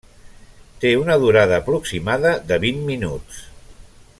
Té una durada aproximada de vint minuts.